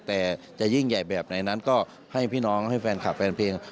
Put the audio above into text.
แต่จะยิ่งใหญ่แบบไหนนั้นก็ให้พี่น้องให้แฟนคลับแฟนเพลง